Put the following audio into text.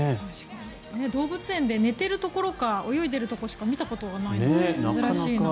動物園で寝てるところか泳いでるところしか見たことがないから珍しいなと。